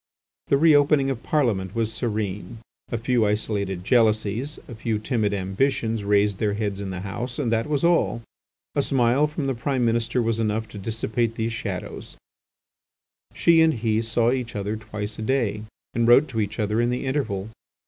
The re opening of Parliament was serene. A few isolated jealousies, a few timid ambitions raised their heads in the House, and that was all. A smile from the Prime Minister was enough to dissipate these shadows. She and he saw each other twice a day, and wrote to each other in the interval.